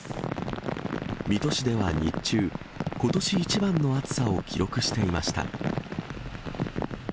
水戸市では日中、ことし一番の暑さを記録していました。